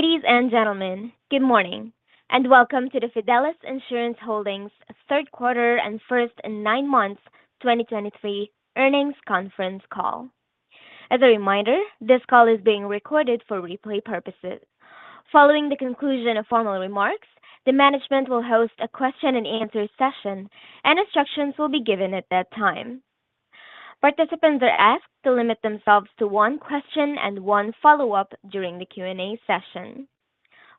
Ladies and gentlemen, good morning, and welcome to the Fidelis Insurance Holdings third quarter and first nine months 2023 earnings conference call. As a reminder, this call is being recorded for replay purposes. Following the conclusion of formal remarks, the management will host a question-and-answer session, and instructions will be given at that time. Participants are asked to limit themselves to one question and one follow-up during the Q&A session.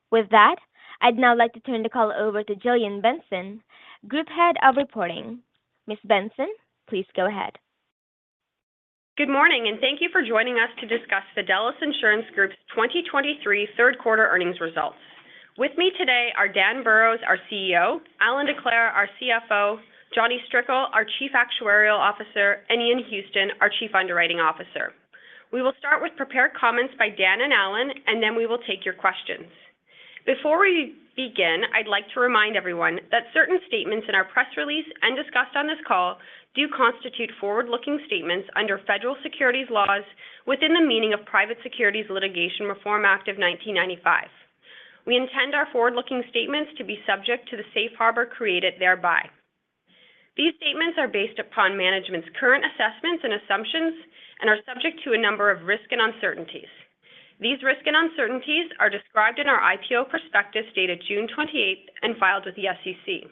With that, I'd now like to turn the call over to Jillian Benson, Group Head of Reporting. Ms. Benson, please go ahead. Good morning and thank you for joining us to discuss Fidelis Insurance Group's 2023 third quarter earnings results. With me today are Dan Burrows, our CEO; Allan Decleir, our CFO; Jonny Strickle, our Chief Actuarial Officer; and Ian Houston, our Chief Underwriting Officer. We will start with prepared comments by Dan and Allan, and then we will take your questions. Before we begin, I'd like to remind everyone that certain statements in our press release and discussed on this call do constitute forward-looking statements under federal securities laws within the meaning of Private Securities Litigation Reform Act of 1995. We intend our forward-looking statements to be subject to the safe harbor created thereby. These statements are based upon management's current assessments and assumptions and are subject to a number of risks and uncertainties. These risks and uncertainties are described in our IPO prospectus, dated June 28th, and filed with the SEC.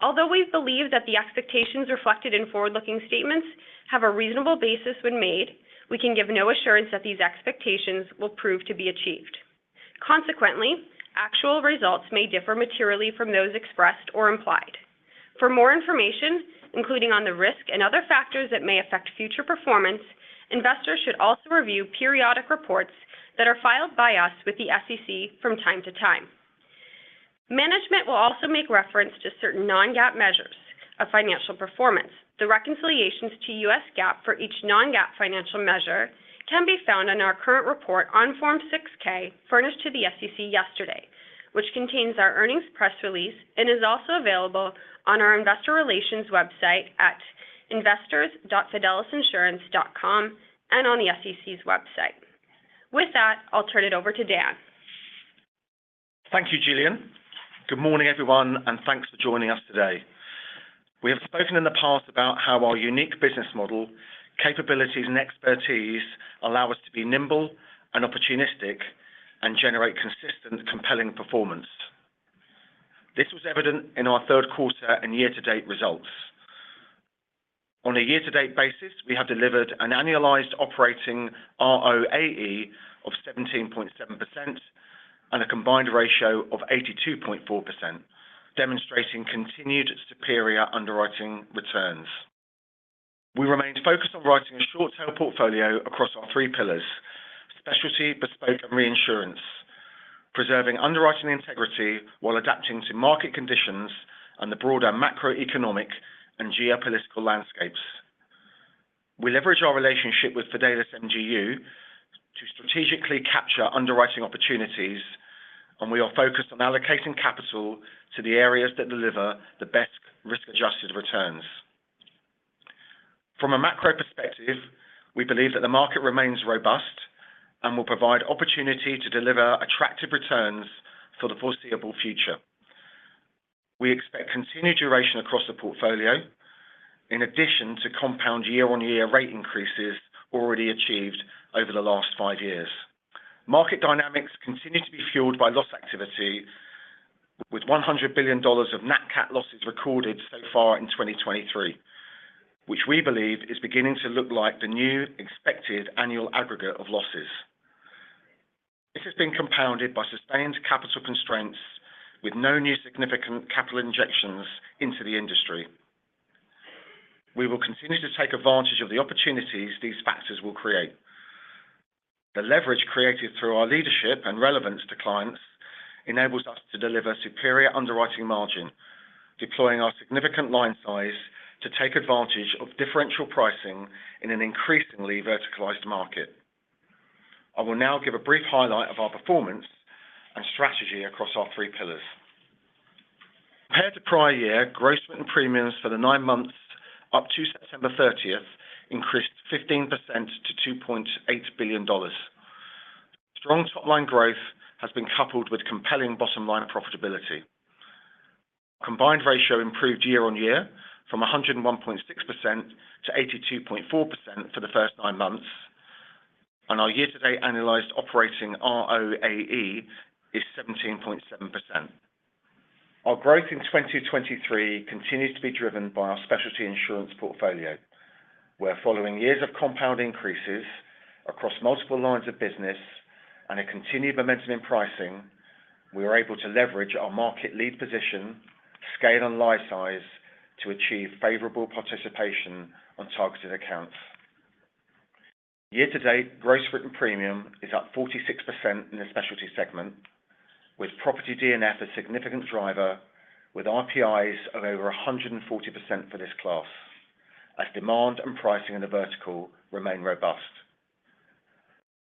Although we believe that the expectations reflected in forward-looking statements have a reasonable basis when made, we can give no assurance that these expectations will prove to be achieved. Consequently, actual results may differ materially from those expressed or implied. For more information, including on the risk and other factors that may affect future performance, investors should also review periodic reports that are filed by us with the SEC from time to time. Management will also make reference to certain non-GAAP measures of financial performance. The reconciliations to U.S. GAAP for each non-GAAP financial measure can be found in our current report on Form 6-K, furnished to the SEC yesterday, which contains our earnings press release and is also available on our investor relations website at investors.fidelisinsurance.com and on the SEC's website. With that, I'll turn it over to Dan. Thank you, Jillian. Good morning, everyone, and thanks for joining us today. We have spoken in the past about how our unique business model, capabilities, and expertise allow us to be nimble and opportunistic and generate consistent, compelling performance. This was evident in our third quarter and year-to-date results. On a year-to-date basis, we have delivered an annualized operating ROAE of 17.7% and a combined ratio of 82.4%, demonstrating continued superior underwriting returns. We remained focused on writing a short-tail portfolio across our three pillars: specialty, bespoke, and reinsurance, preserving underwriting integrity while adapting to market conditions and the broader macroeconomic and geopolitical landscapes. We leverage our relationship with Fidelis MGU to strategically capture underwriting opportunities, and we are focused on allocating capital to the areas that deliver the best risk-adjusted returns. From a macro perspective, we believe that the market remains robust and will provide opportunity to deliver attractive returns for the foreseeable future. We expect continued duration across the portfolio, in addition to compound year-on-year rate increases already achieved over the last five years. Market dynamics continue to be fueled by loss activity, with $100 billion of nat cat losses recorded so far in 2023, which we believe is beginning to look like the new expected annual aggregate of losses. This has been compounded by sustained capital constraints, with no new significant capital injections into the industry. We will continue to take advantage of the opportunities these factors will create. The leverage created through our leadership and relevance to clients enables us to deliver superior underwriting margin, deploying our significant line size to take advantage of differential pricing in an increasingly verticalized market. I will now give a brief highlight of our performance and strategy across our three pillars. Compared to prior year, gross written premiums for the nine months up to September 30th increased 15% to $2.8 billion. Strong top-line growth has been coupled with compelling bottom-line profitability. Combined ratio improved year-on-year from 101.6% to 82.4% for the first nine months, and our year-to-date analyzed operating ROAE is 17.7%. Our growth in 2023 continues to be driven by our specialty insurance portfolio, where following years of compound increases across multiple lines of business and a continued momentum in pricing, we were able to leverage our market lead position, scale, and line size to achieve favorable participation on targeted accounts. Year to date, gross written premium is up 46% in the specialty segment, with property D&F a significant driver, with RPIs of over 140% for this class, as demand and pricing in the vertical remain robust.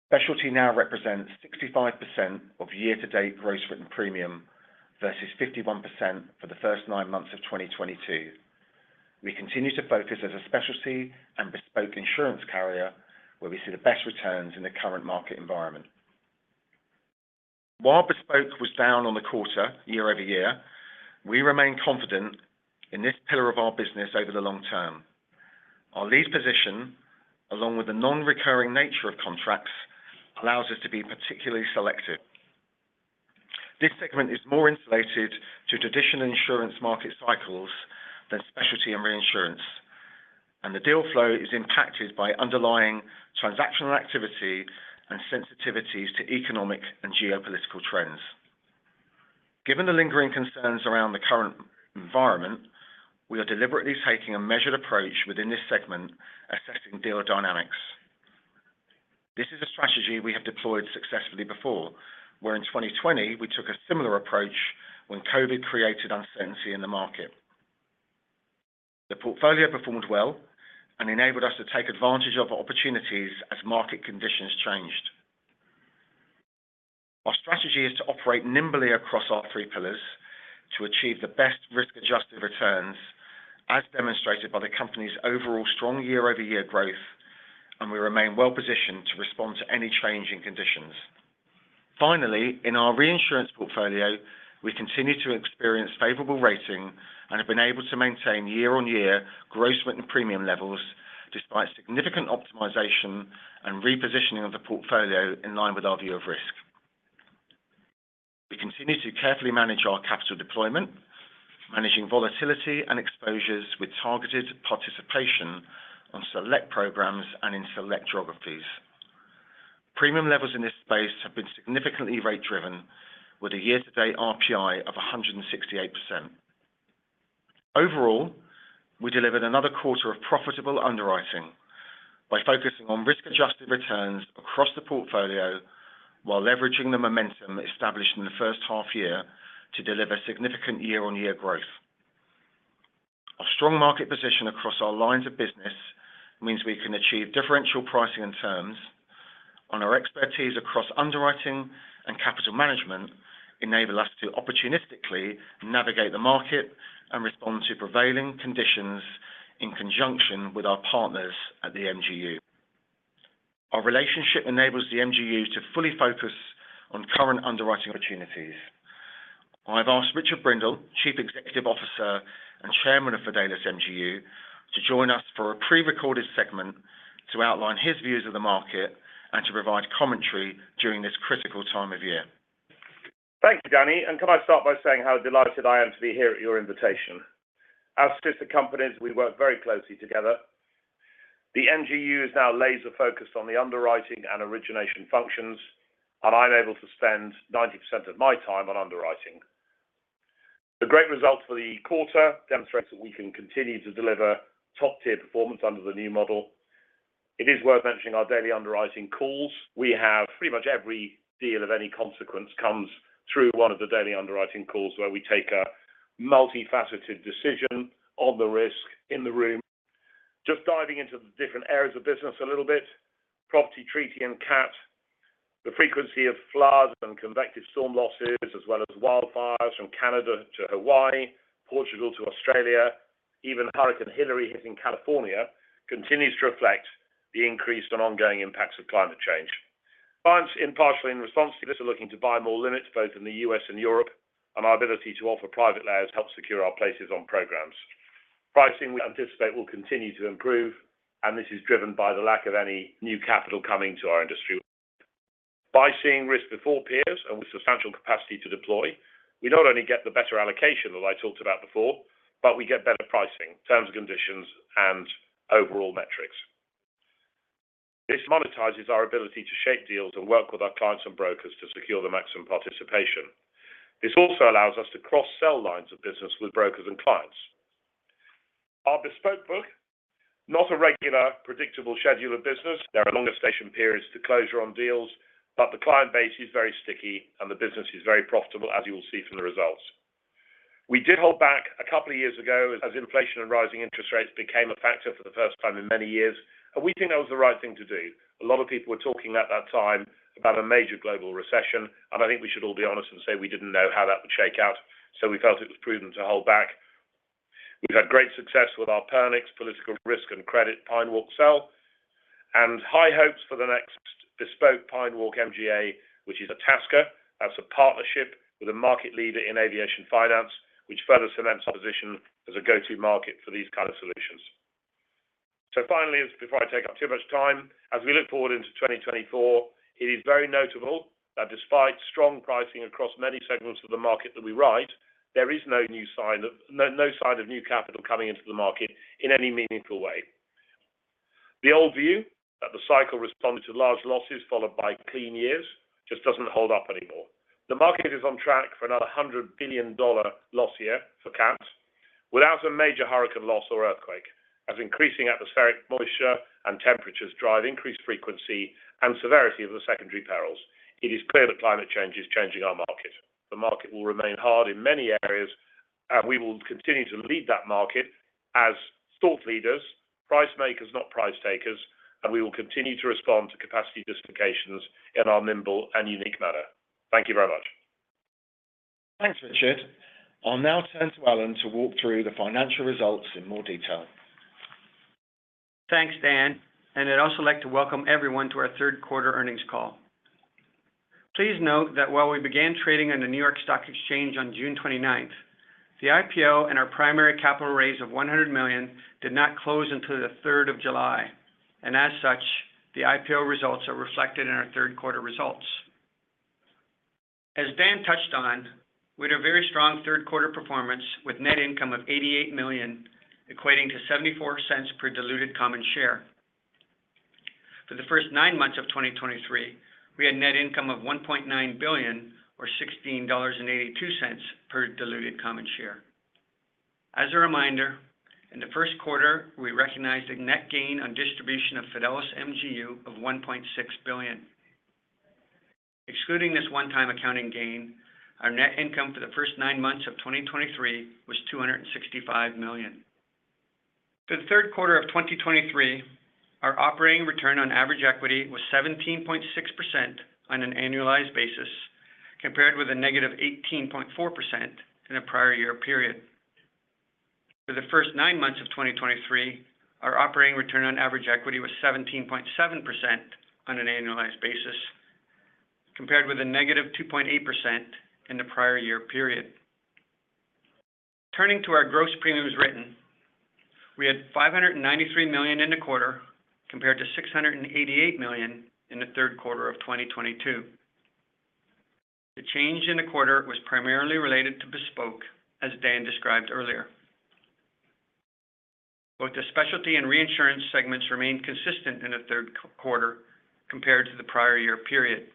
Specialty now represents 65% of year-to-date gross written premium versus 51% for the first nine months of 2022. We continue to focus as a specialty and bespoke insurance carrier, where we see the best returns in the current market environment. While bespoke was down on the quarter year-over-year, we remain confident in this pillar of our business over the long term. Our lead position, along with the non-recurring nature of contracts, allows us to be particularly selective. This segment is more insulated to traditional insurance market cycles than specialty and reinsurance, and the deal flow is impacted by underlying transactional activity and sensitivities to economic and geopolitical trends. Given the lingering concerns around the current environment, we are deliberately taking a measured approach within this segment, assessing deal dynamics. This is a strategy we have deployed successfully before, where in 2020, we took a similar approach when COVID created uncertainty in the market. The portfolio performed well and enabled us to take advantage of opportunities as market conditions changed. Our strategy is to operate nimbly across our three pillars to achieve the best risk-adjusted returns, as demonstrated by the company's overall strong year-over-year growth, and we remain well positioned to respond to any change in conditions. Finally, in our reinsurance portfolio, we continue to experience favorable rating and have been able to maintain year-on-year gross written premium levels despite significant optimization and repositioning of the portfolio in line with our view of risk. We continue to carefully manage our capital deployment, managing volatility and exposures with targeted participation on select programs and in select geographies. Premium levels in this space have been significantly rate driven, with a year-to-date RPI of 168%. Overall, we delivered another quarter of profitable underwriting by focusing on risk-adjusted returns across the portfolio while leveraging the momentum established in the first half year to deliver significant year-on-year growth. Our strong market position across our lines of business means we can achieve differential pricing and terms on our expertise across underwriting and capital management, enable us to opportunistically navigate the market and respond to prevailing conditions in conjunction with our partners at the MGU. Our relationship enables the MGU to fully focus on current underwriting opportunities. I've asked Richard Brindle, Chief Executive Officer and Chairman of Fidelis MGU, to join us for a pre-recorded segment to outline his views of the market and to provide commentary during this critical time of year. Thank you, Danny, and can I start by saying how delighted I am to be here at your invitation? As sister companies, we work very closely together. The MGU is now laser-focused on the underwriting and origination functions, and I'm able to spend 90% of my time on underwriting. The great results for the quarter demonstrates that we can continue to deliver top-tier performance under the new model. It is worth mentioning our daily underwriting calls. We have pretty much every deal of any consequence comes through one of the daily underwriting calls, where we take a multifaceted decision on the risk in the room. Just diving into the different areas of business a little bit, property, treaty, and cat. The frequency of floods and convective storm losses, as well as wildfires from Canada to Hawaii, Portugal to Australia. Even Hurricane Hilary hitting California continues to reflect the increased and ongoing impacts of climate change. Clients, in part, in response to this, are looking to buy more limits, both in the U.S. and Europe, and our ability to offer private layers help secure our places on programs. Pricing, we anticipate, will continue to improve, and this is driven by the lack of any new capital coming to our industry. By seeing risk before peers and with substantial capacity to deploy, we not only get the better allocation that I talked about before, but we get better pricing, terms and conditions, and overall metrics. This monetizes our ability to shape deals and work with our clients and brokers to secure the maximum participation. This also allows us to cross-sell lines of business with brokers and clients. Our bespoke book, not a regular, predictable schedule of business. There are longer stagnation periods to closure on deals, but the client base is very sticky and the business is very profitable, as you will see from the results. We did hold back a couple of years ago as inflation and rising interest rates became a factor for the first time in many years, and we think that was the right thing to do. A lot of people were talking at that time about a major global recession, and I think we should all be honest and say we didn't know how that would shake out, so we felt it was prudent to hold back. We've had great success with our Pernix political risk and credit Pine Walk cell, and high hopes for the next bespoke Pine Walk MGA, which is a Itasca. That's a partnership with a market leader in aviation finance, which further cements our position as a go-to market for these kind of solutions. So finally, before I take up too much time, as we look forward into 2024, it is very notable that despite strong pricing across many segments of the market that we write, there is no sign of new capital coming into the market in any meaningful way. The old view that the cycle responded to large losses followed by clean years just doesn't hold up anymore. The market is on track for another $100 billion loss year for cats, without a major hurricane loss or earthquake, as increasing atmospheric moisture and temperatures drive increased frequency and severity of the secondary perils. It is clear that climate change is changing our market. The market will remain hard in many areas, and we will continue to lead that market as thought leaders, price makers, not price takers, and we will continue to respond to capacity justifications in our nimble and unique manner. Thank you very much. Thanks, Richard. I'll now turn to Allan to walk through the financial results in more detail. Thanks, Dan, and I'd also like to welcome everyone to our third quarter earnings call. Please note that while we began trading on the New York Stock Exchange on June 29th, the IPO and our primary capital raise of $100 million did not close until July 3rd, and as such, the IPO results are reflected in our third quarter results. As Dan touched on, we had a very strong third quarter performance, with net income of $88 million, equating to $0.74 per diluted common share. For the first nine months of 2023, we had net income of $1.9 billion, or $16.82 per diluted common share. As a reminder, in the first quarter, we recognized a net gain on distribution of Fidelis MGU of $1.6 billion. Excluding this one-time accounting gain, our net income for the first nine months of 2023 was $265 million. For the third quarter of 2023, our operating return on average equity was 17.6% on an annualized basis, compared with a negative 18.4% in the prior year period. For the first nine months of 2023, our operating return on average equity was 17.7% on an annualized basis, compared with a negative 2.8% in the prior year period. Turning to our gross premiums written, we had $593 million in the quarter, compared to $688 million in the third quarter of 2022. The change in the quarter was primarily related to bespoke, as Dan described earlier. Both the Specialty and Reinsurance segments remained consistent in the third quarter compared to the prior year period.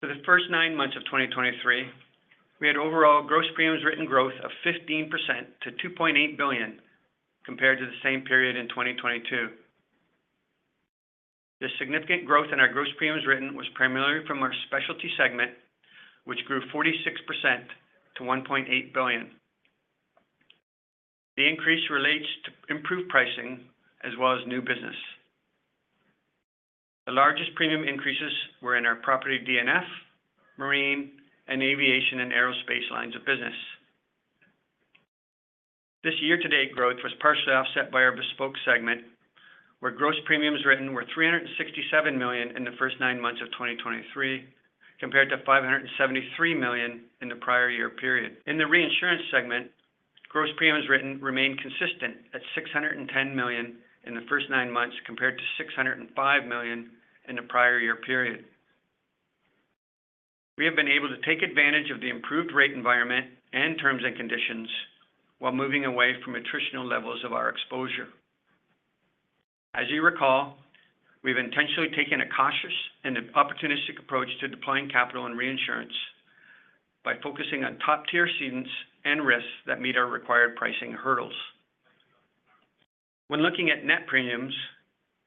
For the first nine months of 2023, we had overall gross premiums written growth of 15% to $2.8 billion, compared to the same period in 2022. The significant growth in our gross premiums written was primarily from our Specialty segment, which grew 46% to $1.8 billion. The increase relates to improved pricing as well as new business. The largest premium increases were in our property D&F, marine, and aviation and aerospace lines of business. This year-to-date growth was partially offset by our Bespoke segment, where gross premiums written were $367 million in the first nine months of 2023, compared to $573 million in the prior year period. In the reinsurance segment, gross premiums written remained consistent at $610 million in the first nine months, compared to $605 million in the prior year period. We have been able to take advantage of the improved rate environment and terms and conditions while moving away from attritional levels of our exposure. As you recall, we've intentionally taken a cautious and an opportunistic approach to deploying capital and reinsurance by focusing on top-tier cedents and risks that meet our required pricing hurdles. When looking at net premiums,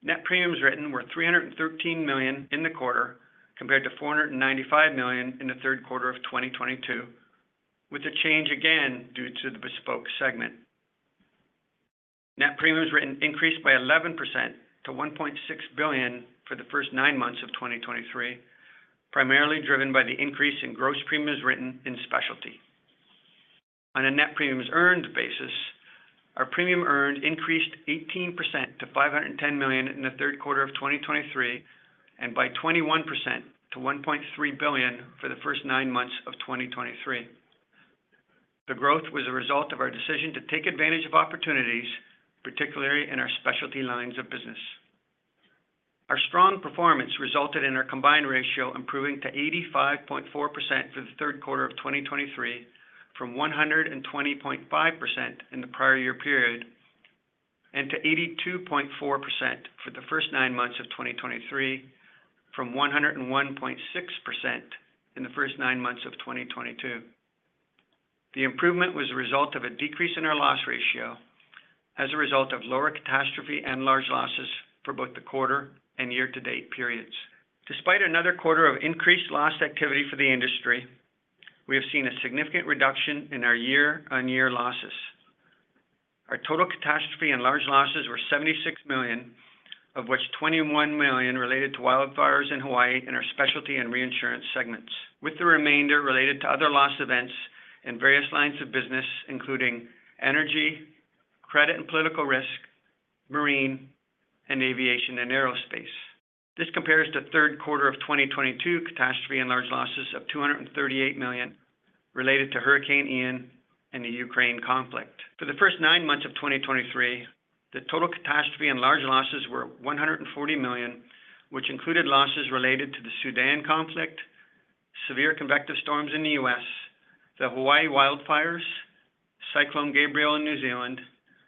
net premiums written were $313 million in the quarter, compared to $495 million in the third quarter of 2022, with the change again due to the bespoke segment. Net premiums written increased by 11% to $1.6 billion for the first nine months of 2023, primarily driven by the increase in gross premiums written in specialty. On a net premiums earned basis, our premium earned increased 18% to $510 million in the third quarter of 2023, and by 21% to $1.3 billion for the first nine months of 2023. The growth was a result of our decision to take advantage of opportunities, particularly in our specialty lines of business. Our strong performance resulted in our combined ratio improving to 85.4% for the third quarter of 2023, from 120.5% in the prior year period, and to 82.4% for the first nine months of 2023, from 101.6% in the first nine months of 2022. The improvement was a result of a decrease in our loss ratio as a result of lower catastrophe and large losses for both the quarter and year-to-date periods. Despite another quarter of increased loss activity for the industry, we have seen a significant reduction in our year-on-year losses. Our total catastrophe and large losses were $76 million, of which $21 million related to wildfires in Hawaii and our specialty and reinsurance segments, with the remainder related to other loss events in various lines of business, including energy, credit and political risk, marine, and aviation and aerospace. This compares to third quarter of 2022 catastrophe and large losses of $238 million related to Hurricane Ian and the Ukraine conflict. For the first nine months of 2023, the total catastrophe and large losses were $140 million, which included losses related to the Sudan conflict, severe convective storms in the U.S., the Hawaii wildfires, Cyclone Gabrielle in New Zealand,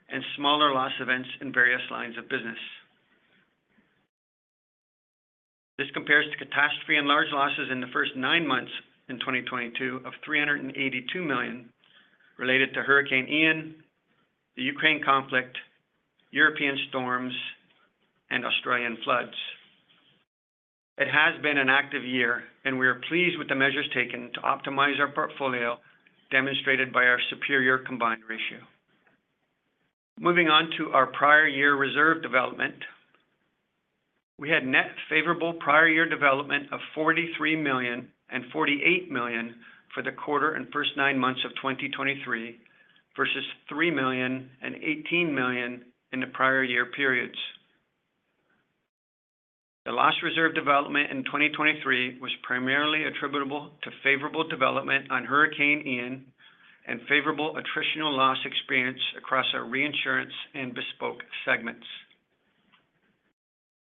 and smaller loss events in various lines of business. This compares to catastrophe and large losses in the first nine months in 2022 of $382 million related to Hurricane Ian, the Ukraine conflict, European storms, and Australian floods. It has been an active year, and we are pleased with the measures taken to optimize our portfolio, demonstrated by our superior combined ratio. Moving on to our prior year reserve development. We had net favorable prior year development of $43 million and $48 million for the quarter and first nine months of 2023, versus $3 million and $18 million in the prior year periods. The loss reserve development in 2023 was primarily attributable to favorable development on Hurricane Ian and favorable attritional loss experience across our reinsurance and bespoke segments.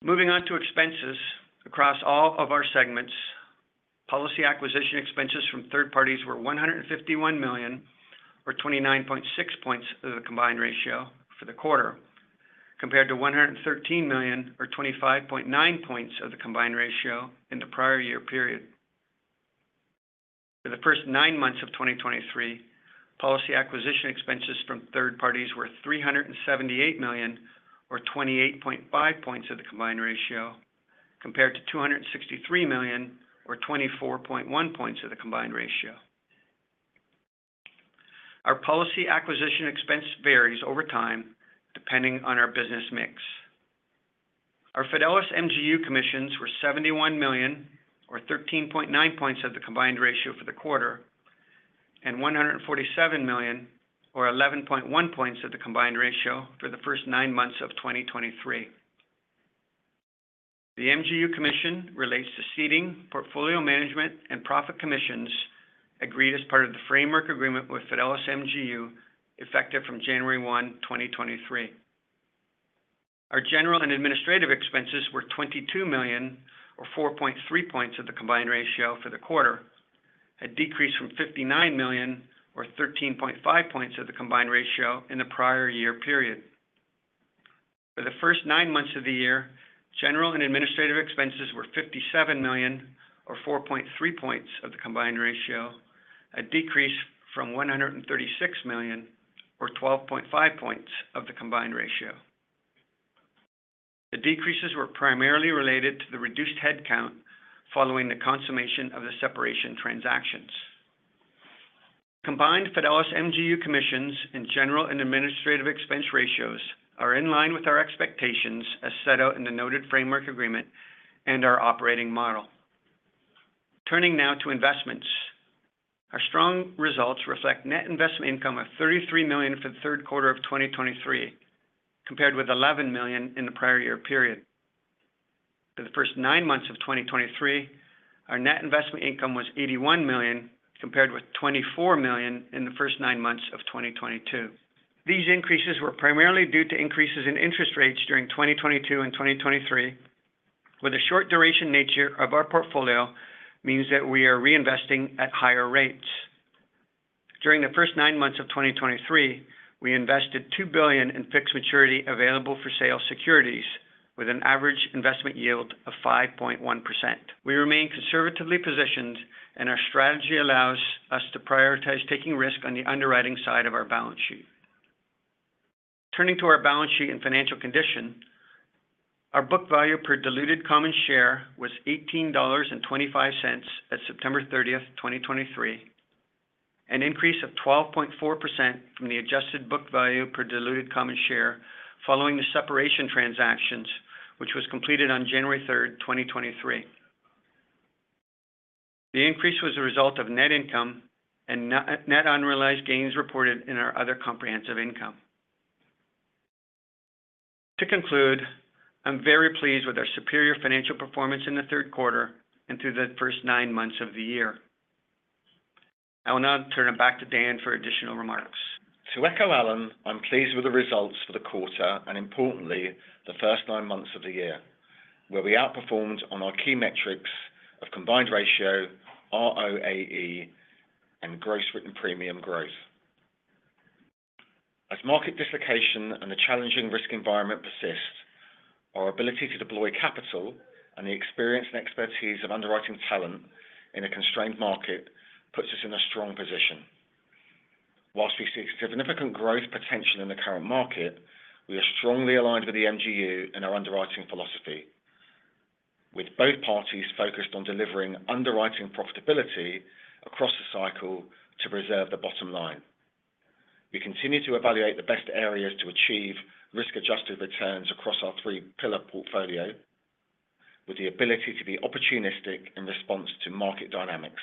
Moving on to expenses. Across all of our segments, policy acquisition expenses from third parties were $151 million, or 29.6 points of the combined ratio for the quarter, compared to $113 million, or 25.9 points of the combined ratio in the prior year period. For the first nine months of 2023, policy acquisition expenses from third parties were $378 million, or 28.5 points of the combined ratio, compared to $263 million, or 24.1 points of the combined ratio. Our policy acquisition expense varies over time, depending on our business mix. Our Fidelis MGU commissions were $71 million, or 13.9 points of the combined ratio for the quarter, and $147 million, or 11.1 points of the combined ratio for the first nine months of 2023. The MGU commission relates to ceding, portfolio management, and profit commissions agreed as part of the framework agreement with Fidelis MGU, effective from January 1, 2023. Our general and administrative expenses were $22 million, or 4.3 points of the combined ratio for the quarter, a decrease from $59 million or 13.5 points of the combined ratio in the prior year period. For the first nine months of the year, general and administrative expenses were $57 million or 4.3 points of the combined ratio, a decrease from $136 million or 12.5 points of the combined ratio. The decreases were primarily related to the reduced headcount following the consummation of the separation transactions. Combined Fidelis MGU commissions and general and administrative expense ratios are in line with our expectations as set out in the noted framework agreement and our operating model. Turning now to investments. Our strong results reflect net investment income of $33 million for the third quarter of 2023, compared with $11 million in the prior year period. For the first nine months of 2023, our net investment income was $81 million, compared with $24 million in the first nine months of 2022. These increases were primarily due to increases in interest rates during 2022 and 2023, where the short duration nature of our portfolio means that we are reinvesting at higher rates. During the first nine months of 2023, we invested $2 billion in fixed maturity available for sale securities with an average investment yield of 5.1%. We remain conservatively positioned, and our strategy allows us to prioritize taking risk on the underwriting side of our balance sheet. Turning to our balance sheet and financial condition, our book value per diluted common share was $18.25 at September 30th, 2023, an increase of 12.4% from the adjusted book value per diluted common share following the separation transactions, which was completed on January 3rd, 2023. The increase was a result of net income and net unrealized gains reported in our other comprehensive income. To conclude, I'm very pleased with our superior financial performance in the third quarter and through the first nine months of the year. I will now turn it back to Dan for additional remarks. To echo Allan, I'm pleased with the results for the quarter, and importantly, the first nine months of the year, where we outperformed on our key metrics of combined ratio, ROAE, and gross written premium growth. As market dislocation and the challenging risk environment persist, our ability to deploy capital and the experience and expertise of underwriting talent in a constrained market puts us in a strong position. Whilst we see significant growth potential in the current market, we are strongly aligned with the MGU and our underwriting philosophy, with both parties focused on delivering underwriting profitability across the cycle to preserve the bottom line. We continue to evaluate the best areas to achieve risk-adjusted returns across our three pillar portfolio, with the ability to be opportunistic in response to market dynamics.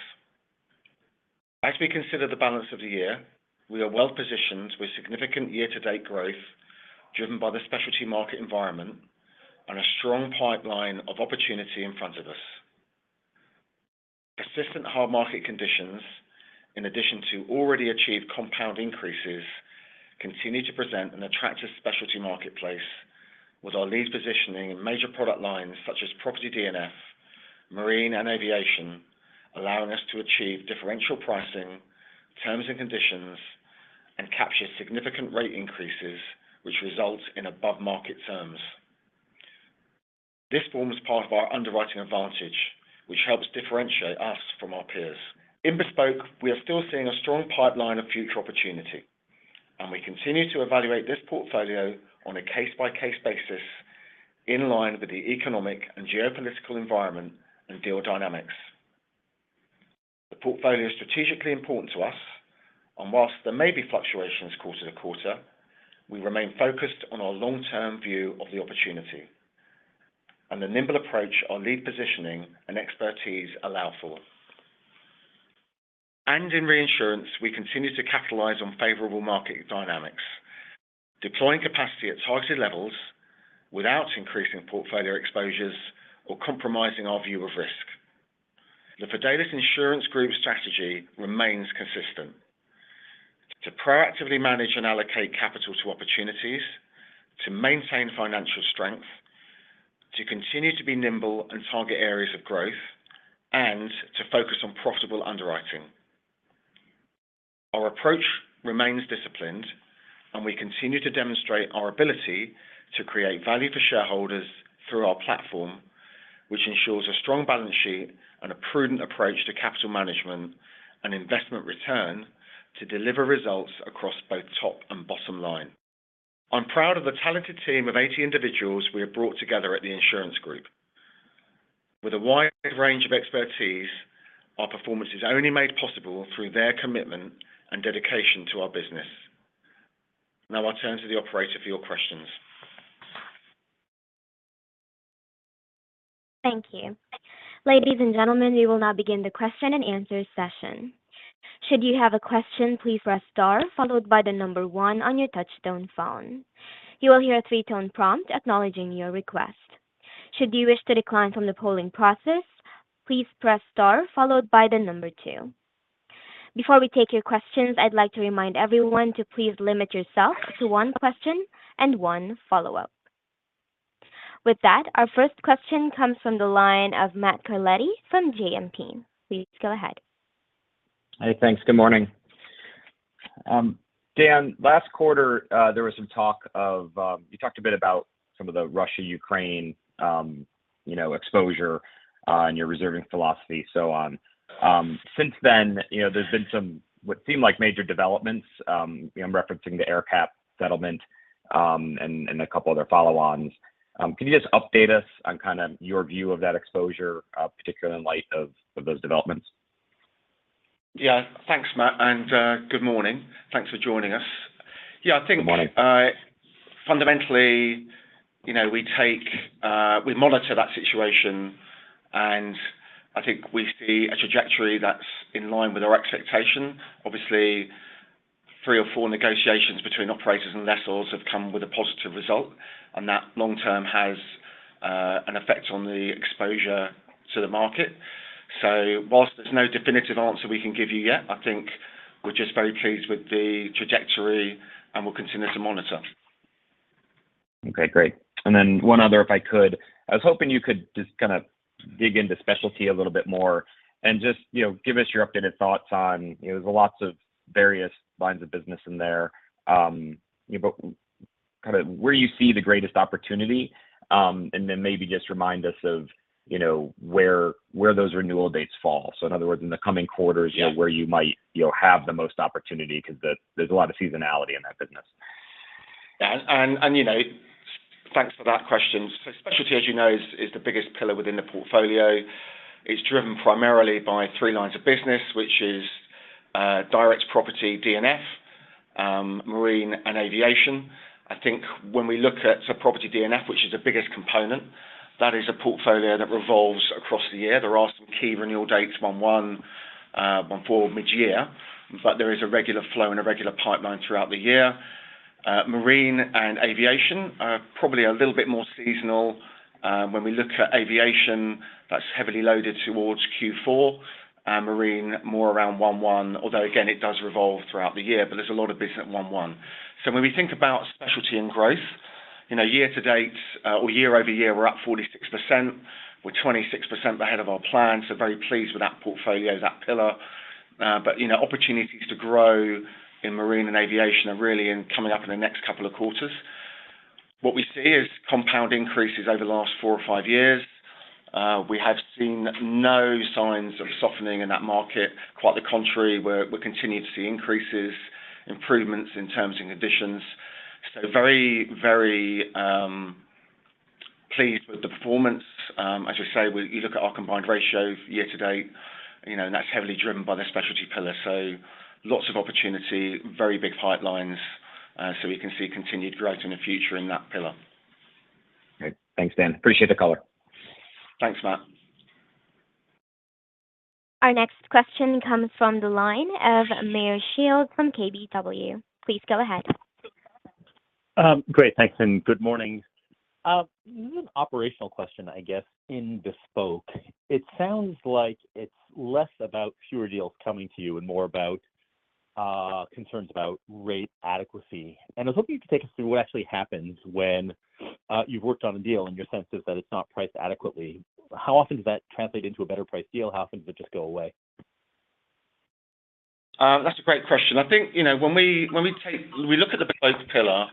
As we consider the balance of the year, we are well positioned with significant year-to-date growth, driven by the specialty market environment and a strong pipeline of opportunity in front of us. Persistent hard market conditions, in addition to already achieved compound increases, continue to present an attractive specialty marketplace with our lead positioning in major product lines such as property D&F, marine, and aviation, allowing us to achieve differential pricing, terms, and conditions, and capture significant rate increases, which results in above-market terms. This forms part of our underwriting advantage, which helps differentiate us from our peers. In bespoke, we are still seeing a strong pipeline of future opportunity, and we continue to evaluate this portfolio on a case-by-case basis in line with the economic and geopolitical environment and deal dynamics. The portfolio is strategically important to us, and while there may be fluctuations quarter-to-quarter, we remain focused on our long-term view of the opportunity and the nimble approach our lead positioning and expertise allow for. In reinsurance, we continue to capitalize on favorable market dynamics, deploying capacity at targeted levels without increasing portfolio exposures or compromising our view of risk. The Fidelis Insurance Group strategy remains consistent: to proactively manage and allocate capital to opportunities, to maintain financial strength, to continue to be nimble and target areas of growth, and to focus on profitable underwriting. Our approach remains disciplined, and we continue to demonstrate our ability to create value for shareholders through our platform, which ensures a strong balance sheet and a prudent approach to capital management and investment return to deliver results across both top and bottom line. I'm proud of the talented team of 80 individuals we have brought together at the Insurance Group. With a wide range of expertise, our performance is only made possible through their commitment and dedication to our business. Now I'll turn to the operator for your questions. Thank you. Ladies and gentlemen, we will now begin the question-and-answer session. Should you have a question, please press star followed by the number one on your touchtone phone. You will hear a 3-tone prompt acknowledging your request. Should you wish to decline from the polling process, please press star followed by the number two. Before we take your questions, I'd like to remind everyone to please limit yourself to one question and one follow-up. With that, our first question comes from the line of Matt Carletti from JP Morgan. Please go ahead. Hey, thanks. Good morning. Dan, last quarter, there was some talk of. You talked a bit about some of the Russia, Ukraine, you know, exposure, and your reserving philosophy, so on. Since then, you know, there's been some, what seem like major developments. I'm referencing the AerCap settlement, and a couple of other follow-ons. Can you just update us on kinda your view of that exposure, particularly in light of those developments? Yeah. Thanks, Matt, and good morning. Thanks for joining us. Yeah, I think- Good morning. Fundamentally, you know, we take, we monitor that situation, and I think we see a trajectory that's in line with our expectation. Obviously, three or four negotiations between operators and lessors have come with a positive result, and that long term has an effect on the exposure to the market. So whilst there's no definitive answer we can give you yet, I think we're just very pleased with the trajectory, and we'll continue to monitor. Okay, great. And then one other, if I could. I was hoping you could just kinda dig into specialty a little bit more and just, you know, give us your updated thoughts on, you know, there's lots of various lines of business in there, but kind of where you see the greatest opportunity, and then maybe just remind us of, you know, where, where those renewal dates fall. So in other words, in the coming quarters where you might, you'll have the most opportunity because there, there's a lot of seasonality in that business. Yeah. And you know, thanks for that question. So specialty, as you know, is the biggest pillar within the portfolio. It's driven primarily by three lines of business, which is direct property D&F, marine, and aviation. I think when we look at the property D&F, which is the biggest component, that is a portfolio that revolves across the year. There are some key renewal dates, 1/1 and one for mid-year, but there is a regular flow and a regular pipeline throughout the year. Marine and aviation are probably a little bit more seasonal. When we look at aviation, that's heavily loaded towards Q4, and marine, more around 1/1, although again, it does revolve throughout the year, but there's a lot of business at 1/1. So when we think about specialty and growth, you know, year to date, or year over year, we're up 46%. We're 26% ahead of our plan, so very pleased with that portfolio, that pillar. But you know, opportunities to grow in marine and aviation are really coming up in the next couple of quarters. What we see is compound increases over the last four or five years. We have seen no signs of softening in that market. Quite the contrary, we're continuing to see increases, improvements in terms and conditions. So very, very pleased with the performance. As you say, when you look at our combined ratio year to date, you know, that's heavily driven by the specialty pillar, so lots of opportunity, very big pipelines, so we can see continued growth in the future in that pillar. Great. Thanks, Dan. Appreciate the color. Thanks, Matt. Our next question comes from the line of Meyer Shields from KBW. Please go ahead. Great. Thanks, and good morning. This is an operational question, I guess, in Bespoke. It sounds like it's less about fewer deals coming to you and more about concerns about rate adequacy. And I was hoping you could take us through what actually happens when you've worked on a deal and your sense is that it's not priced adequately. How often does that translate into a better priced deal? How often does it just go away? That's a great question. I think, you know, when we look at the Bespoke pillar,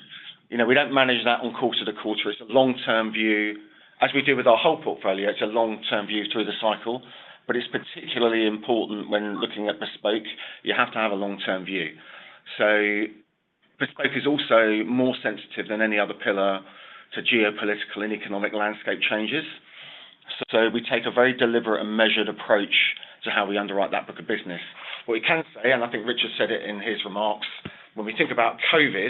you know, we don't manage that on quarter-to-quarter. It's a long-term view. As we do with our whole portfolio, it's a long-term view through the cycle, but it's particularly important when looking at Bespoke. You have to have a long-term view. So, Bespoke is also more sensitive than any other pillar to geopolitical and economic landscape changes. So, we take a very deliberate and measured approach to how we underwrite that book of business. What we can say, and I think Richard said it in his remarks, when we think about COVID,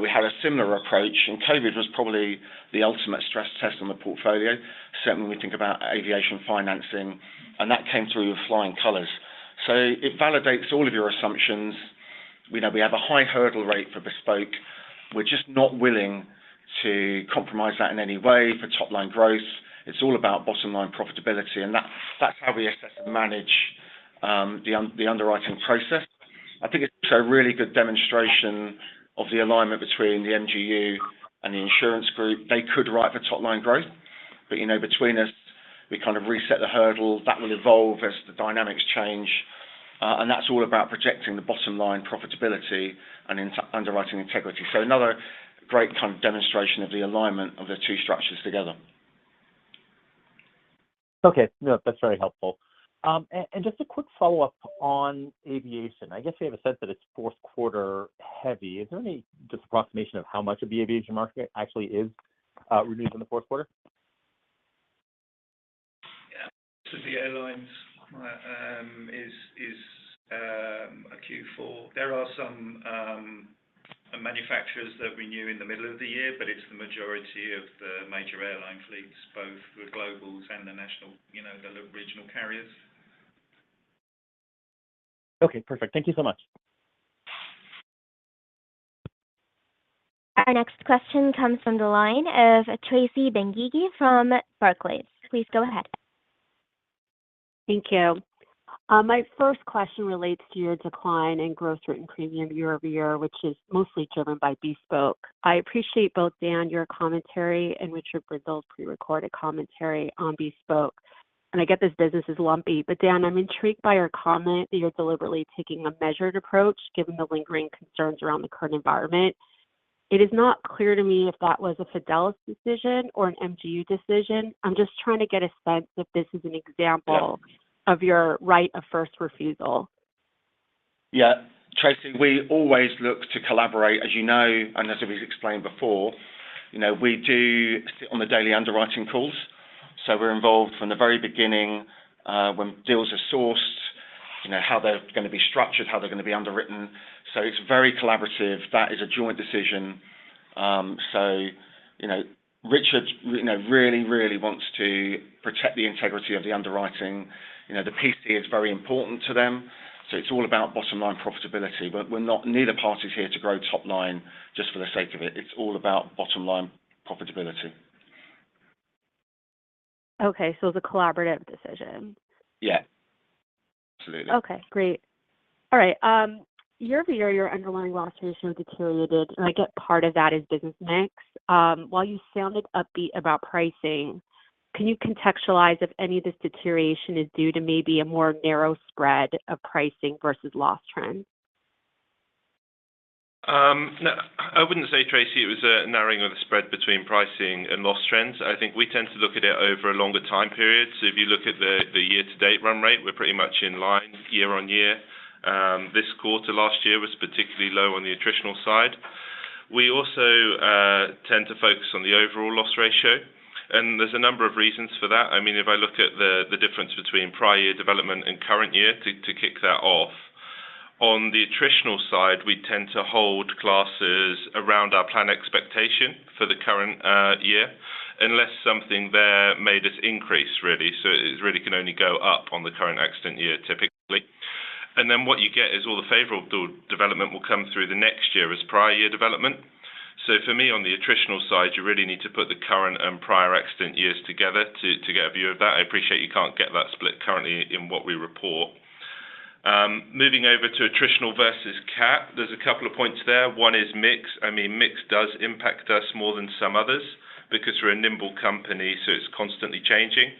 we had a similar approach, and COVID was probably the ultimate stress test on the portfolio, certainly when we think about aviation financing, and that came through with flying colors. So, it validates all of your assumptions. We know we have a high hurdle rate for bespoke. We're just not willing to compromise that in any way for top-line growth. It's all about bottom-line profitability, and that's how we assess and manage the underwriting process. I think it's a really good demonstration of the alignment between the MGU and the insurance group. They could write for top-line growth, but, you know, between us, we kind of reset the hurdle. That will evolve as the dynamics change, and that's all about protecting the bottom line profitability and underwriting integrity. So another great kind of demonstration of the alignment of the two structures together. Okay, no, that's very helpful. And just a quick follow-up on aviation. I guess we have a sense that it's fourth quarter heavy. Is there any just approximation of how much of the aviation market actually is renewed in the fourth quarter? Yeah. So the airlines is a Q4. There are some manufacturers that we knew in the middle of the year, but it's the majority of the major airline fleets, both the globals and the national, you know, the regional carriers. Okay, perfect. Thank you so much. Our next question comes from the line of Tracy Benguigui from Barclays. Please go ahead. Thank you. My first question relates to your decline in gross written premium year-over-year, which is mostly driven by Bespoke. I appreciate both, Dan, your commentary, and Richard Brindle's prerecorded commentary on Bespoke. I get this business is lumpy, but Dan, I'm intrigued by your comment that you're deliberately taking a measured approach, given the lingering concerns around the current environment. It is not clear to me if that was a Fidelis decision or an MGU decision. I'm just trying to get a sense if this is an example of your right of first refusal. Yeah. Tracy, we always look to collaborate, as you know, and as we explained before, you know, we do sit on the daily underwriting calls, so we're involved from the very beginning, when deals are sourced, you know, how they're going to be structured, how they're going to be underwritten. So it's very collaborative. That is a joint decision. So, you know, Richard, you know, really, really wants to protect the integrity of the underwriting. You know, the PC is very important to them, so it's all about bottom line profitability. But we're not--neither party is here to grow top line just for the sake of it. It's all about bottom line profitability. Okay, so it's a collaborative decision? Yeah. Absolutely. Okay, great. All right, year-over-year, your underlying loss ratio deteriorated, and I get part of that is business mix. While you sounded upbeat about pricing, can you contextualize if any of this deterioration is due to maybe a more narrow spread of pricing versus loss trends? No, I wouldn't say, Tracy, it was a narrowing of the spread between pricing and loss trends. I think we tend to look at it over a longer time period. So if you look at the year to date run rate, we're pretty much in line year on year. This quarter last year was particularly low on the attritional side. We also tend to focus on the overall loss ratio, and there's a number of reasons for that. I mean, if I look at the difference between prior year development and current year, to kick that off. On the attritional side, we tend to hold classes around our plan expectation for the current year, unless something there made us increase, really. So it really can only go up on the current accident year, typically. Then what you get is all the favorable development will come through the next year as prior year development. So for me, on the attritional side, you really need to put the current and prior accident years together to get a view of that. I appreciate you can't get that split currently in what we report. Moving over to attritional versus cat, there's a couple of points there. One is mix. I mean, mix does impact us more than some others because we're a nimble company, so it's constantly changing.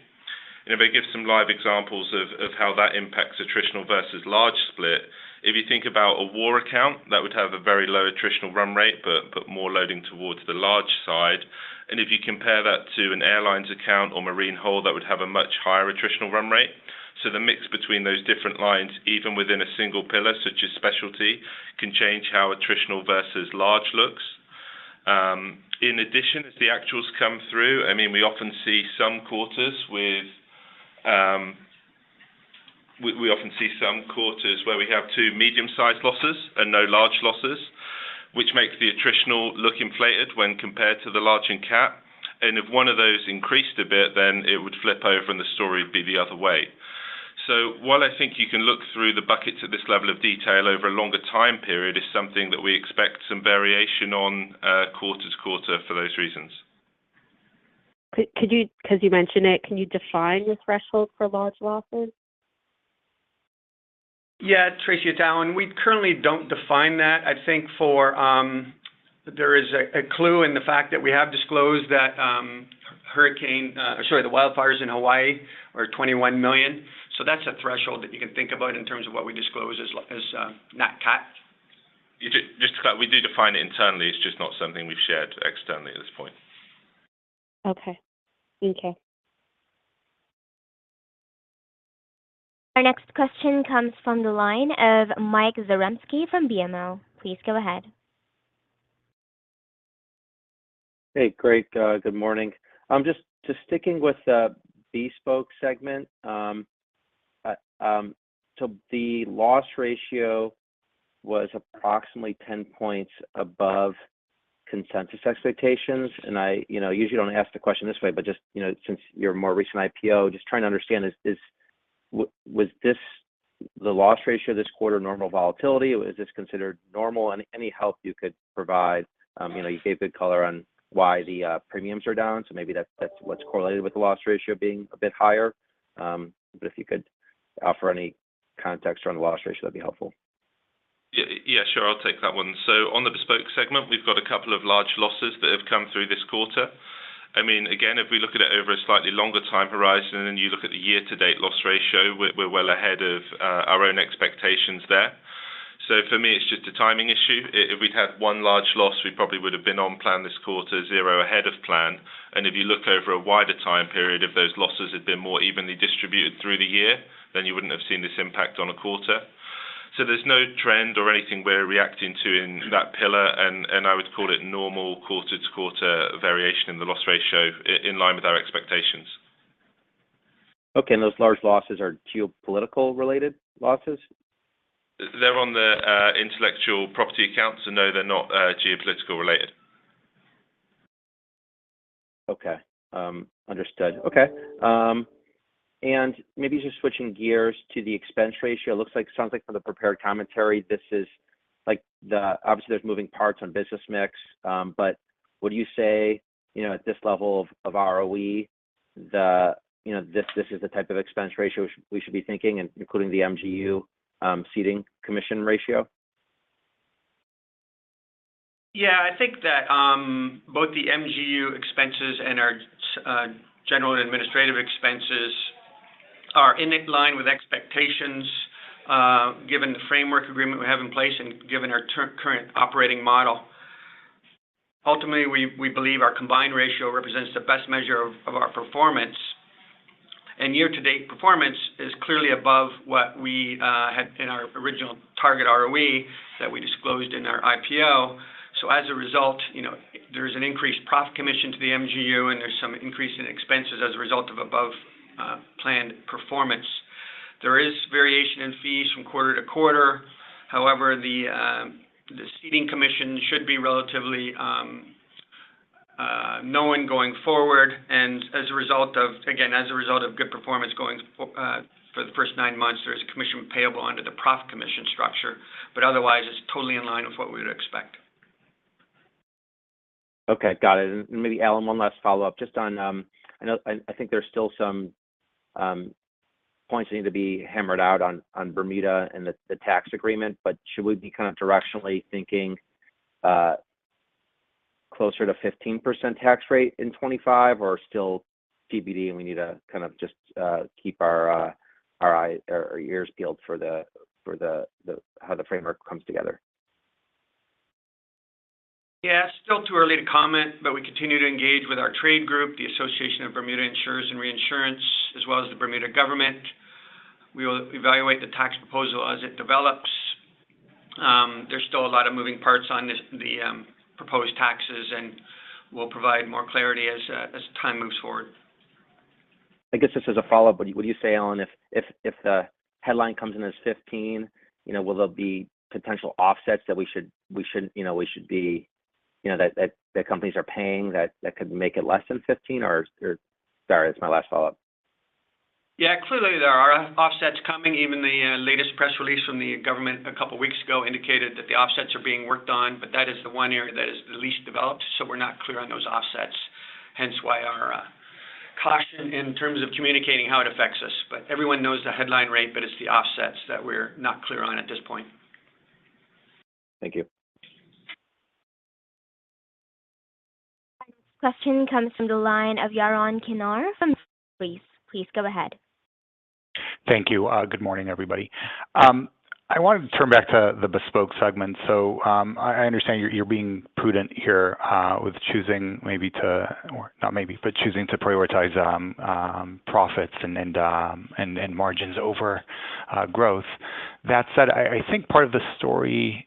And if I give some live examples of how that impacts attritional versus large split, if you think about a war account, that would have a very low attritional run rate, but more loading towards the large side. If you compare that to an airlines account or marine hull, that would have a much higher attritional run rate. The mix between those different lines, even within a single pillar, such as specialty, can change how attritional versus large looks. In addition, as the actuals come through, I mean, we often see some quarters with. We often see some quarters where we have two medium-sized losses and no large losses, which makes the attritional look inflated when compared to the large and cat. And if one of those increased a bit, then it would flip over, and the story would be the other way. While I think you can look through the buckets at this level of detail over a longer time period, is something that we expect some variation on, quarter-to-quarter for those reasons. Could you, because you mentioned it, can you define the threshold for large losses? Yeah, Tracy, it's Allan. We currently don't define that. I think for. There is a clue in the fact that we have disclosed that hurricane, sorry, the wildfires in Hawaii were $21 million. So that's a threshold that you can think about in terms of what we disclose as, as, not cat. Just to be clear, we do define it internally. It's just not something we've shared externally at this point. Okay. Thank you. Our next question comes from the line of Mike Zaremski from BMO. Please go ahead. Hey, great, good morning. Just, just sticking with the Bespoke segment. So the loss ratio was approximately 10 points above consensus expectations. And I, you know, usually don't ask the question this way, but just, you know, since your more recent IPO, just trying to understand, was this the loss ratio this quarter normal volatility? Is this considered normal? And any help you could provide, you know, you gave good color on why the premiums are down, so maybe that's, that's what's correlated with the loss ratio being a bit higher. But if you could offer any context around the loss ratio, that'd be helpful. Yeah, sure. I'll take that one. So on the Bespoke segment, we've got a couple of large losses that have come through this quarter. I mean, again, if we look at it over a slightly longer time horizon, and you look at the year-to-date loss ratio, we're well ahead of our own expectations there. So for me, it's just a timing issue. If we had one large loss, we probably would have been on plan this quarter, zero ahead of plan. And if you look over a wider time period, if those losses had been more evenly distributed through the year, then you wouldn't have seen this impact on a quarter. So there's no trend or anything we're reacting to in that pillar, and I would call it normal quarter-to-quarter variation in the loss ratio in line with our expectations. Okay, and those large losses are geopolitical-related losses? They're on the intellectual property accounts, so no, they're not geopolitical related. Okay. Understood. Okay, and maybe just switching gears to the expense ratio, looks like, sounds like from the prepared commentary, this is like the, obviously, there's moving parts on business mix, but would you say, you know, at this level of ROE, the, you know, this, this is the type of expense ratio we should be thinking and including the MGU, ceding commission ratio? Yeah, I think that both the MGU expenses and our general administrative expenses are in line with expectations, given the framework agreement we have in place and given our current operating model. Ultimately, we believe our combined ratio represents the best measure of our performance. And year-to-date performance is clearly above what we had in our original target ROE that we disclosed in our IPO. So as a result, you know, there's an increased profit commission to the MGU, and there's some increase in expenses as a result of above planned performance. There is variation in fees from quarter-to-quarter. However, the ceding commission should be relatively known going forward, and as a result of, again, as a result of good performance going forward for the first nine months, there is a commission payable under the profit commission structure, but otherwise, it's totally in line with what we would expect. Okay, got it. And maybe, Allan, one last follow-up, just on. I know, I think there's still some points that need to be hammered out on Bermuda and the tax agreement, but should we be kind of directionally thinking closer to 15% tax rate in 2025 or still TBD, and we need to kind of just keep our eye or our ears peeled for how the framework comes together? Yeah, it's still too early to comment, but we continue to engage with our trade group, the Association of Bermuda Insurers and Reinsurers, as well as the Bermuda government. We will evaluate the tax proposal as it develops. There's still a lot of moving parts on this, the proposed taxes, and we'll provide more clarity as time moves forward. I guess this is a follow-up, but would you say, Allan, if the headline comes in as $15, you know, will there be potential offsets that we should, you know, we should be, you know, that, that the companies are paying that, that could make it less than $15, sorry, that's my last follow-up. Yeah, clearly, there are offsets coming. Even the latest press release from the government a couple of weeks ago indicated that the offsets are being worked on, but that is the one area that is the least developed, so we're not clear on those offsets. Hence why our caution in terms of communicating how it affects us. But everyone knows the headline rate, but it's the offsets that we're not clear on at this point. Thank you. Question comes from the line of Yaron Kinar from Jefferies. Please go ahead. Thank you. Good morning, everybody. I wanted to turn back to the Bespoke segment. So, I understand you're being prudent here with choosing maybe to, or not maybe, but choosing to prioritize profits and margins over growth. That said, I think part of the story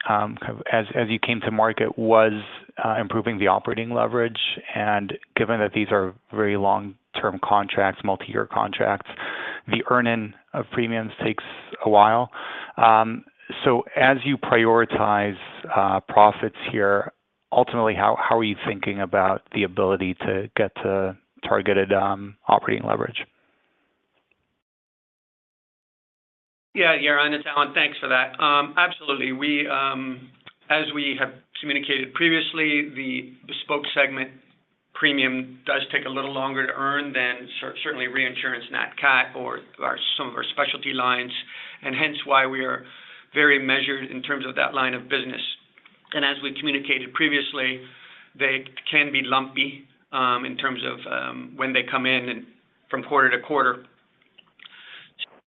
as you came to market was improving the operating leverage, and given that these are very long-term contracts, multi-year contracts, the earn-in of premiums takes a while. So as you prioritize profits here, ultimately, how are you thinking about the ability to get to targeted operating leverage? Yeah, Yaron, it's Allan. Thanks for that. Absolutely. We, as we have communicated previously, the Bespoke segment premium does take a little longer to earn than certainly reinsurance, nat cat, or some of our specialty lines, and hence why we are very measured in terms of that line of business. And as we communicated previously, they can be lumpy in terms of when they come in and from quarter-to-quarter.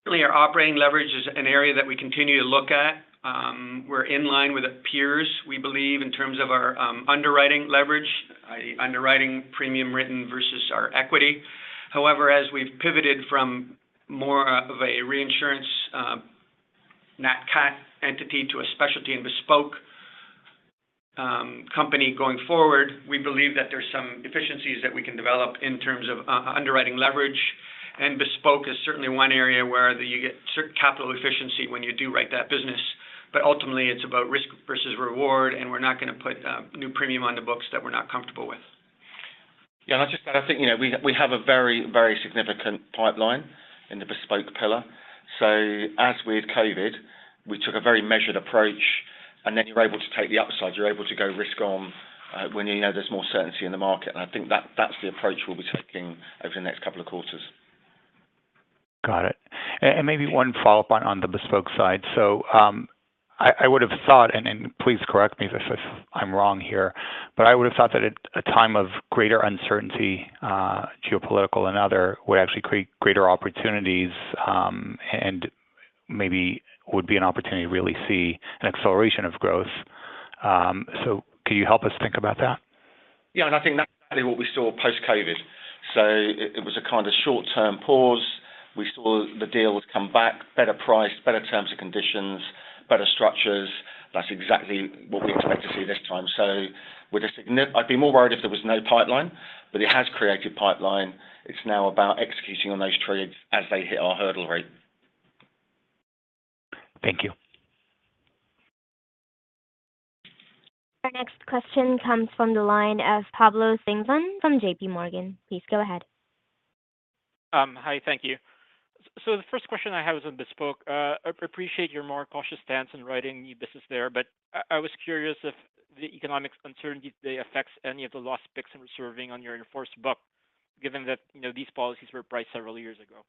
Certainly, our operating leverage is an area that we continue to look at. We're in line with our peers, we believe, in terms of our underwriting leverage, i.e., underwriting premium written versus our equity. However, as we've pivoted from more of a reinsurance nat cat entity to a specialty and bespoke company going forward, we believe that there's some efficiencies that we can develop in terms of underwriting leverage. Bespoke is certainly one area where you get certain capital efficiency when you do write that business. Ultimately, it's about risk versus reward, and we're not gonna put new premium on the books that we're not comfortable with. Yeah, and I'll just add, I think, you know, we have a very, very significant pipeline in the bespoke pillar. So as with COVID, we took a very measured approach, and then you're able to take the upside. You're able to go risk on when you know there's more certainty in the market, and I think that's the approach we'll be taking over the next couple of quarters. Got it. And maybe one follow-up on the bespoke side. So I would have thought, and please correct me if I'm wrong here, but I would have thought that at a time of greater uncertainty, geopolitical and other, would actually create greater opportunities, and maybe would be an opportunity to really see an acceleration of growth. So can you help us think about that? Yeah, and I think that's exactly what we saw post-COVID. So it was a kind of short-term pause. We saw the deals come back, better priced, better terms and conditions, better structures. That's exactly what we expect to see this time. I'd be more worried if there was no pipeline, but it has created pipeline. It's now about executing on those trades as they hit our hurdle rate. Thank you. Our next question comes from the line of Pablo Singzon from J.P. Morgan. Please go ahead. Hi, thank you. So the first question I have is on Bespoke. I appreciate your more cautious stance in writing new business there, but I, I was curious if the economic uncertainty today affects any of the loss picks and reserving on your in-force book, given that, you know, these policies were priced several years ago?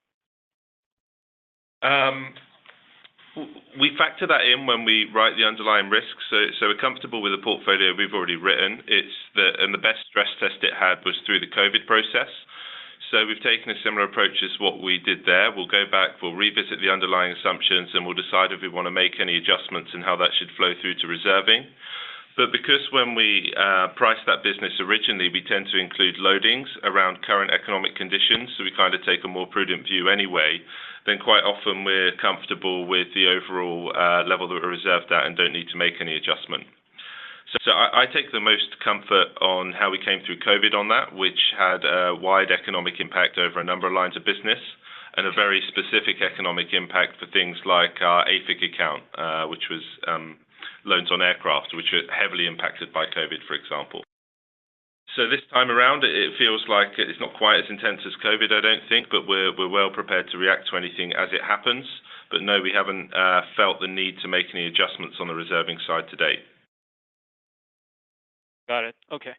We factor that in when we write the underlying risks, so we're comfortable with the portfolio we've already written. It's the best stress test it had was through the COVID process. So we've taken a similar approach as what we did there. We'll go back, we'll revisit the underlying assumptions, and we'll decide if we want to make any adjustments and how that should flow through to reserving. But because when we price that business originally, we tend to include loadings around current economic conditions, so we take a more prudent view anyway, then quite often we're comfortable with the overall level that we reserve that and don't need to make any adjustment. So I take the most comfort on how we came through COVID on that, which had a wide economic impact over a number of lines of business and a very specific economic impact for things like our AFIC account, which was loans on aircraft, which were heavily impacted by COVID, for example. So this time around, it feels like it's not quite as intense as COVID, I don't think, but we're well prepared to react to anything as it happens. But no, we haven't felt the need to make any adjustments on the reserving side to date. Got it. Okay.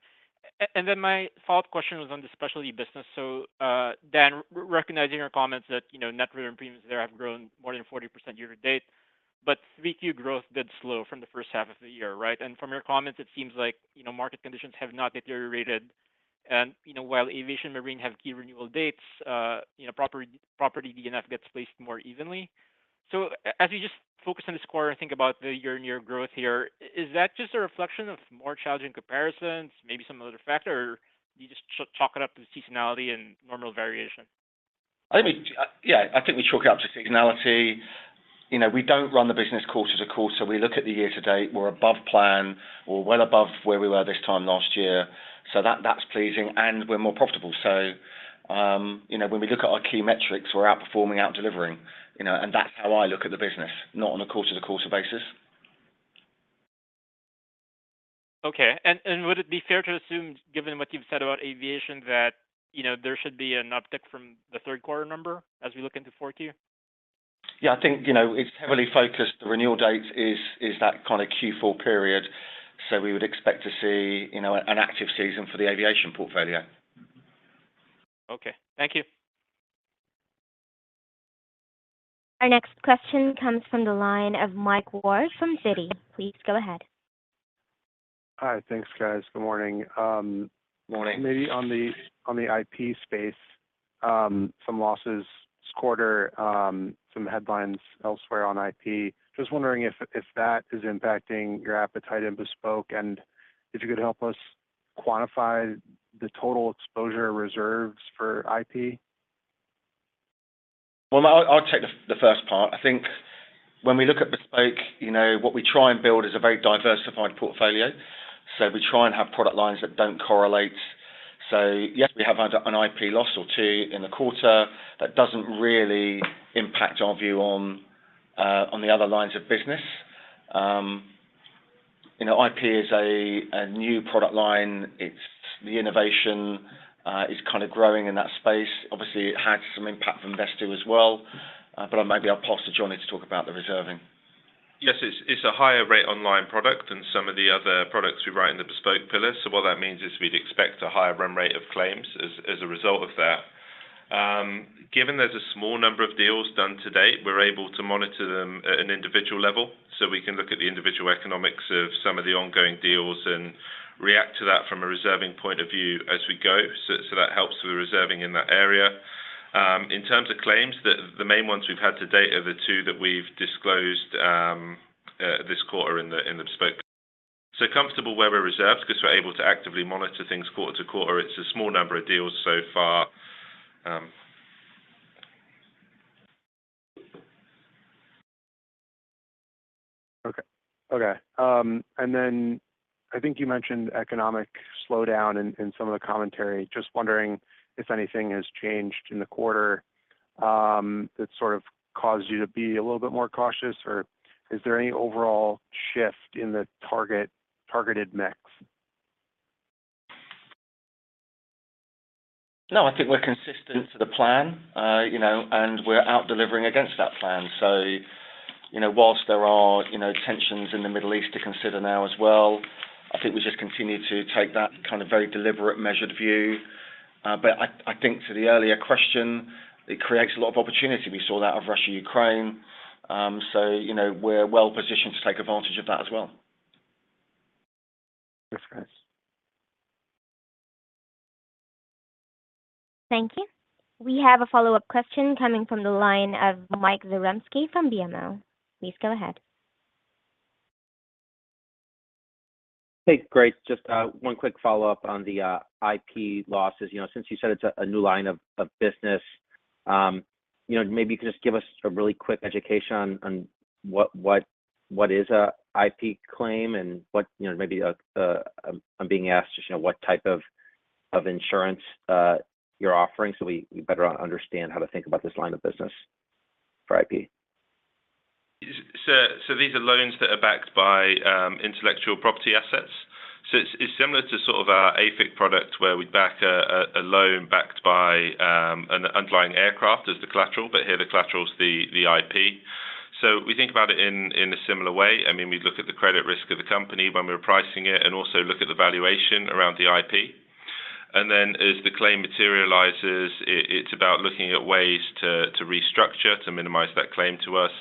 And then my follow-up question was on the specialty business. So, Dan, recognizing your comments that, you know, net written premiums there have grown more than 40% year to date, but 3Q growth did slow from the first half of the year, right? And from your comments, it seems like, you know, market conditions have not deteriorated. And, you know, while aviation and marine have key renewal dates, you know, property, property D&O gets placed more evenly. So, as you just focus on the score and think about the year-on-year growth here, is that just a reflection of more challenging comparisons, maybe some other factor, or you just chalk it up to seasonality and normal variation? I think we, yeah, I think we chalk it up to seasonality. You know, we don't run the business quarter-to-quarter, so we look at the year to date. We're above plan. We're well above where we were this time last year, so that's pleasing, and we're more profitable. So, you know, when we look at our key metrics, we're outperforming, out-delivering, you know, and that's how I look at the business, not on a quarter-to-quarter basis. Okay. And would it be fair to assume, given what you've said about aviation, that, you know, there should be an uptick from the third quarter number as we look into fourth Q? Yeah, I think, you know, it's heavily focused. The renewal date is that kind of Q4 period, so we would expect to see, you know, an active season for the aviation portfolio. Okay. Thank you. Our next question comes from the line of Mike Ward from Citi. Please go ahead. Hi. Thanks, guys. Good morning. Morning. Maybe on the IP space, some losses this quarter, some headlines elsewhere on IP. Just wondering if that is impacting your appetite in Bespoke, and if you could help us quantify the total exposure reserves for IP. Well, I'll take the first part. I think when we look at bespoke, you know, what we try and build is a very diversified portfolio. So we try and have product lines that don't correlate. So yes, we have had an IP loss or two in the quarter. That doesn't really impact our view on the other lines of business. You know, IP is a new product line. It's the innovation is kind of growing in that space. Obviously, it had some impact from Vesttoo as well, but maybe I'll pass to Jonny to talk about the reserving. Yes, it's a higher rate online product than some of the other products we write in the Bespoke pillar. So what that means is we'd expect a higher run rate of claims as a result of that. Given there's a small number of deals done to date, we're able to monitor them at an individual level. So we can look at the individual economics of ongoing deals and react to that from a reserving point of view as we go. So that helps with the reserving in that area. In terms of claims, the main ones we've had to date are the two that we've disclosed this quarter in the Bespoke. So comfortable where we're reserved because we're able to actively monitor things quarter-to-quarter. It's a small number of deals so far. Okay. Okay. And then I think you mentioned economic slowdown in some of the commentary. Just wondering if anything has changed in the quarter that sort of caused you to be a little bit more cautious, or is there any overall shift in the targeted mix? No, I think we're consistent to the plan, you know, and we're out delivering against that plan. So, you know, while there are, you know, tensions in the Middle East to consider now as well, I think we just continue to take that kind of very deliberate, measured view. But I think to the earlier question, it creates a lot of opportunity. We saw that of Russia, Ukraine. So, you know, we're well positioned to take advantage of that as well. Thanks, guys. Thank you. We have a follow-up question coming from the line of Mike Zaremski from BMO. Please go ahead. Hey, great. Just, one quick follow-up on the, IP losses. You know, since you said it's a new line of business, you know, maybe you can just give us a really quick education on what is a IP claim and what, you know, maybe, I'm being asked just, you know, what type of insurance you're offering so we better understand how to think about this line of business for IP. So these are loans that are backed by intellectual property assets. So it's similar to sort of our AFIC product, where we back a loan backed by an underlying aircraft as the collateral, but here the collateral is the IP. So we think about it in a similar way. I mean, we look at the credit risk of the company when we're pricing it and also look at the valuation around the IP. And then as the claim materializes, it's about looking at ways to restructure, to minimize that claim to us.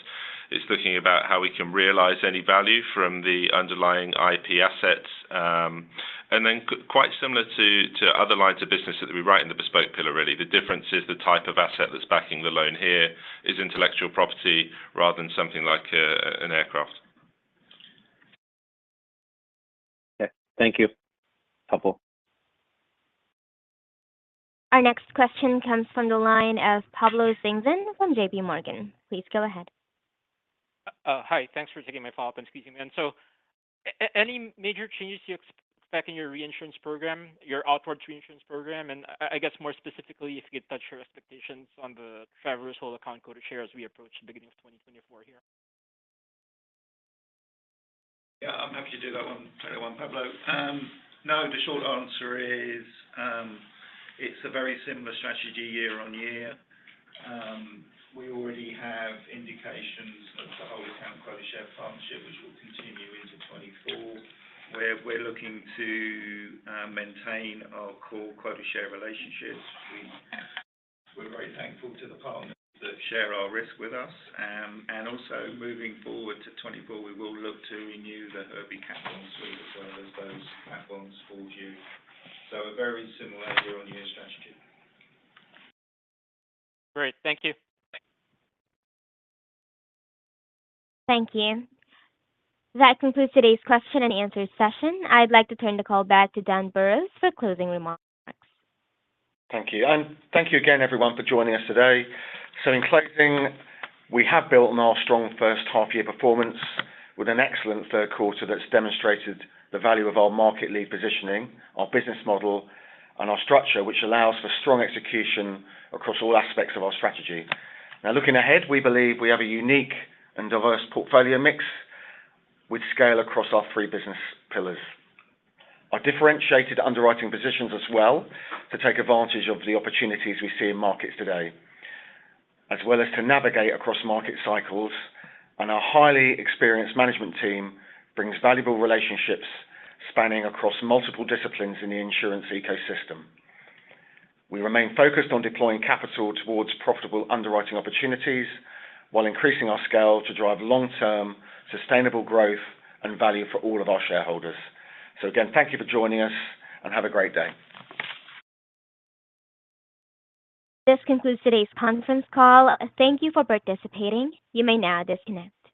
It's looking about how we can realize any value from the underlying IP assets. And then quite similar to other lines of business that we write in the bespoke pillar, really. The difference is the type of asset that's backing the loan here is intellectual property rather than something like an aircraft. Okay. Thank you. Helpful. Our next question comes from the line of Pablo Singzon from J.P. Morgan. Please go ahead. Hi, thanks for taking my follow-up and squeezing me in. So, any major changes you expect in your reinsurance program, your outward reinsurance program, and I guess more specifically, if you could touch your expectations on the traverse hold account Quota Share as we approach the beginning of 2024 here? Yeah, I'm happy to do that one, Pablo. No, the short answer is, it's a very similar strategy year on year. We already have indications of the whole account quota share partnership, which will continue into 2024, where we're looking to maintain our core quota share relationships. We're very thankful to the partners that share our risk with us. And also moving forward to 2024, we will look to renew the Herbie capital suite as well as those platforms for you. So a very similar year-on-year strategy. Great. Thank you. Thank you. That concludes today's question and answer session. I'd like to turn the call back to Dan Burrows for closing remarks. Thank you. Thank you again, everyone, for joining us today. In closing, we have built on our strong first half-year performance with an excellent third quarter that's demonstrated the value of our market lead positioning, our business model, and our structure, which allows for strong execution across all aspects of our strategy. Now, looking ahead, we believe we have a unique and diverse portfolio mix, with scale across our three business pillars. Our differentiated underwriting positions as well to take advantage of the opportunities we see in markets today, as well as to navigate across market cycles, and our highly experienced management team brings valuable relationships spanning across multiple disciplines in the insurance ecosystem. We remain focused on deploying capital towards profitable underwriting opportunities, while increasing our scale to drive long-term, sustainable growth and value for all of our shareholders. Again, thank you for joining us, and have a great day. This concludes today's conference call. Thank you for participating. You may now disconnect.